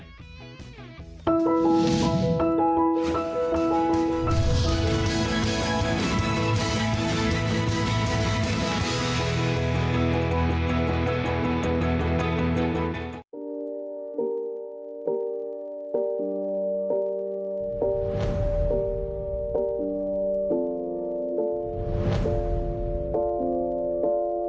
เพคตอร์มอิวนัมกำมัด